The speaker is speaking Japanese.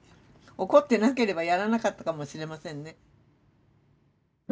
怒ってなければやらなかったかもしれませんね。